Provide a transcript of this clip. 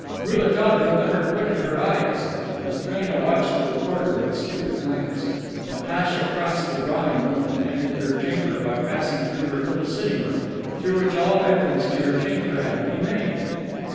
Rouletabille never quitted her eyes. Matrena watched the reporter with a stupid glance. Natacha crossed the drawing room and entered her chamber by passing through her little sitting room, through which all entrance to her chamber had to be made.